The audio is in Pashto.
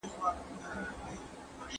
موږ باید د موضوع مخینه په پام کي ونیسو.